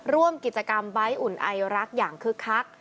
ร่วมกิจกรรมใบ้อุ่นไอรักอย่างคึกคัก